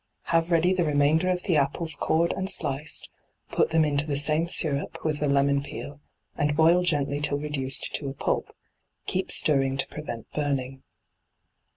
Have ready the remainder of the apples cored and sliced, put them into the same syrup with the lemon peel, and boil gently till reduced to a pulp ; keep stirring to prevent burning.